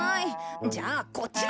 じゃあこっちだ！